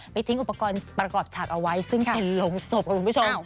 ทิ้งอุปกรณ์ประกอบฉากเอาไว้ซึ่งเป็นโรงศพค่ะคุณผู้ชม